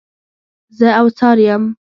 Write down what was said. زه اوڅار یم.